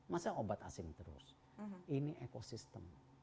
masa obat asing terus ini ekosistem